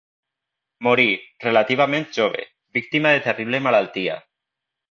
Morí, relativament jove, víctima de terrible malaltia.